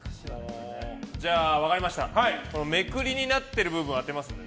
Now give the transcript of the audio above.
じゃあ、めくりになってる部分当てますので。